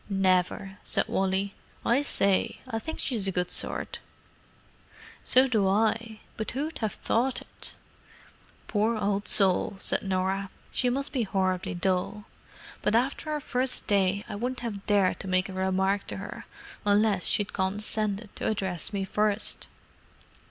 "Never," said Wally. "I say, I think she's a good sort." "So do I. But who'd have thought it!" "Poor old soul!" said Norah. "She must be most horribly dull. But after our first day I wouldn't have dared to make a remark to her unless she'd condescended to address me first."